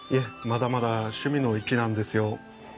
まだまだ趣味の域なんですよ。